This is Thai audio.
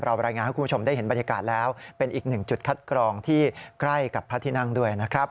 รายงานให้คุณผู้ชมได้เห็นบรรยากาศแล้วเป็นอีกหนึ่งจุดคัดกรองที่ใกล้กับพระที่นั่งด้วยนะครับ